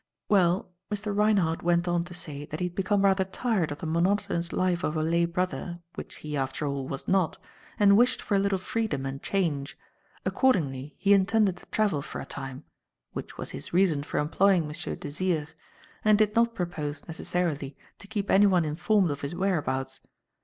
"Well, Mr. Reinhardt went on to say that he had become rather tired of the monotonous life of a lay brother which he, after all, was not and wished for a little freedom and change. Accordingly he intended to travel for a time which was his reason for employing M. Desire and did not propose, necessarily, to keep anyone informed of his whereabouts.